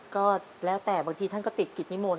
ก็แล้วแต่บางทีท่านก็ติดกิจนิมนต